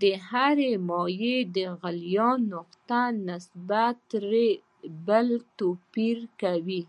د هرې مایع د غلیان نقطه نسبت تر بلې توپیر کوي.